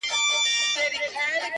ستا به هم بلا ګردان سمه نیازبیني,